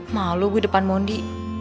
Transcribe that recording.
malu di depan mondi